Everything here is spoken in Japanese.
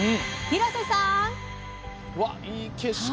廣瀬さん！